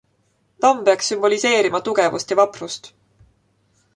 Tamm peaks sümboliseerima tugevust ja vaprust.